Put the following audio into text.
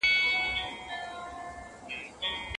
چرګه زما ده او هګۍ د بل کره اچوي.